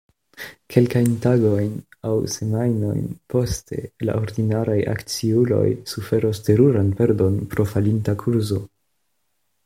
Kelkajn tagojn aŭ semajnojn poste la ordinaraj akciuloj suferos teruran perdon pro falinta kurzo.